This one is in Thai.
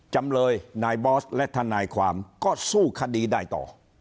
จำเลยนายบอสและทนายความก็สู้คดีได้ต่อ